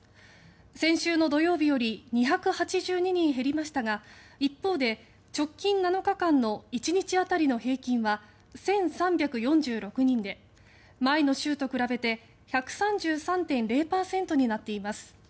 先週の土曜日より２８２人減りましたが一方で、直近７日間の１日当たりの平均は１３４６人で前の週と比べて１３３．０％となっています。